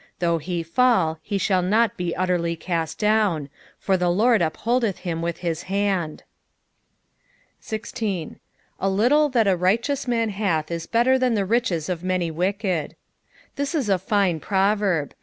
24 Though he fall, he shall not be utterly cast down : for the Lord upholdeth hhn with his hand. 16. " A littU that a righteout man ha^ U better than tht riehtt of many f^Aei.''* Tliifl ia a floe proTorb.